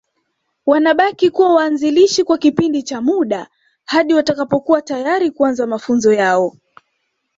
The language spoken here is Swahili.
Wanabaki kuwa waanzilishi kwa kipindi cha muda hadi watakapokuwa tayari kuanza mafunzo yao